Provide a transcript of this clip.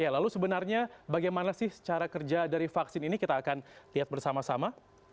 lalu sebenarnya bagaimana sih cara kerja dari vaksin ini kita akan lihat bersama sama